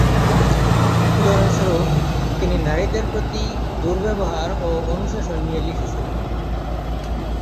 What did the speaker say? উদাহরণস্বরূপ, তিনি নারীদের প্রতি দুর্ব্যবহার ও অনুশাসন নিয়ে লিখেছিলেন।